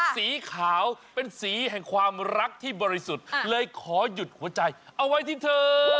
สีขาวเป็นสีแห่งความรักที่บริสุทธิ์เลยขอหยุดหัวใจเอาไว้ที่เธอ